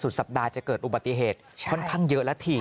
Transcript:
สัปดาห์จะเกิดอุบัติเหตุค่อนข้างเยอะแล้วที